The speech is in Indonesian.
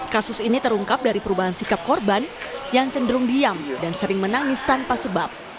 kasus ini terungkap dari perubahan sikap korban yang cenderung diam dan sering menangis tanpa sebab